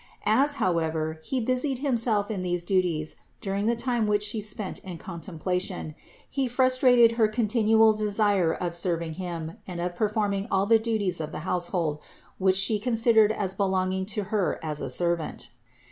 As however he busied him self in these duties during the time which She spent in contemplation, he frustrated her continual desire of serv ing him and of performing all the duties of the house hold, which She considered as belonging to Her as a servant.